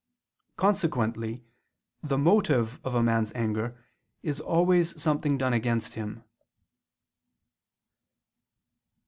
Consequently the motive of a man's anger is always something done against him.